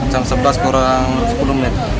jam sebelas kurang sepuluh menit